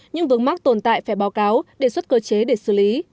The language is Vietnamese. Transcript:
những vướng mắc tồn tại phải báo cáo đề xuất cơ chế để xử lý